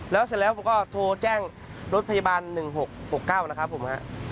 แล้วเสร็จแล้วผมก็โทรแจ้งรถพยาบาลหนึ่งหกหกเก้านะครับผมฮะ